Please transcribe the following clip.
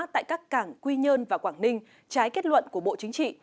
tại các cảng quy nhơn và quảng ninh trái kết luận của bộ chính trị